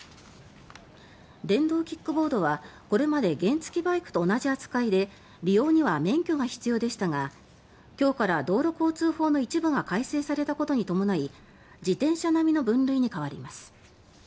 電動キックボードはこれまで原付きバイクと同じ扱いで利用には免許が必要でしたが今日から道路交通法の一部が改正されたことに伴い自転車並みの分類に変わります。